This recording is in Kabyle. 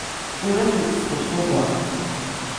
Ur asent-sṭebṭubeɣ.